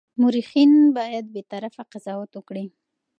مورخین باید بېطرفه قضاوت وکړي.